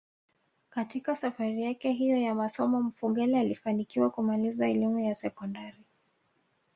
Katika safari yake hiyo ya masomo Mfugale alifanikiwa kumaliza elimu ya sekondari